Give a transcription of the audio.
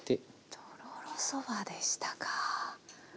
とろろそばでしたか。